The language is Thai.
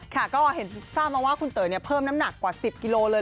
ค่ะก็เห็นทราบมาว่าคุณเต๋ยเพิ่มน้ำหนักกว่า๑๐กิโลเลย